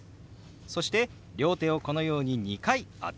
そして両手をこのように２回当てるようにします。